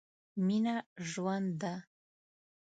مينه ژوند ده.